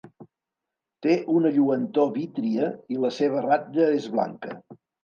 Té una lluentor vítria i la seva ratlla és blanca.